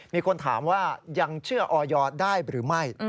มีคนถามว่ายังเชื่อออยได้หรือไม่